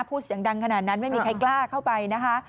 พูดเสียงดังขนาดนั้นไม่มีใครกล้าเข้าไปนะคะ